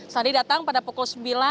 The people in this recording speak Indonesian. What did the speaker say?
sandi datang pada pukul sembilan